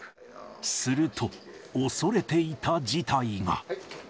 すると、恐れていた事態が。